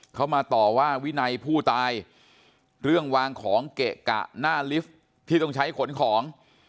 เขามาต่อว่าวินัยผู้ตายเรื่องวางของเกะกะหน้าลิฟท์ที่ต้องใช้ขนของ